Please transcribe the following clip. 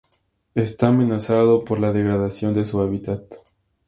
Está amenazado por la degradación de su hábitat.